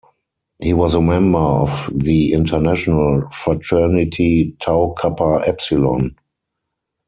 He was a member of the international fraternity Tau Kappa Epsilon.